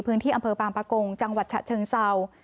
พื้นที่อำเภอบางปะกงจังหวัดฉะเชิงเศร้า